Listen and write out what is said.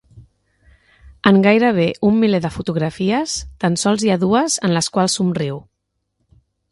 En gairebé un miler de fotografies, tan sols hi ha dues en les quals somriu.